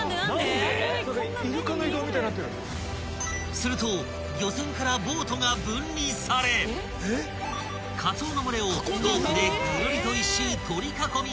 ［すると漁船からボートが分離されかつおの群れをロープでぐるりと１周取り囲み始めた］